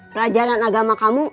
pelajaran agama kamu